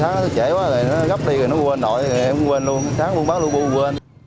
sáng đó tới trễ quá thì nó gấp đi quên nổi shá vô bán lù bu quên